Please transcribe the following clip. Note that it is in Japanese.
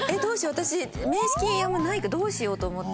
私面識あんまないからどうしよう？と思って。